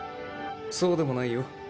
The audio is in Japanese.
そうでもないよ。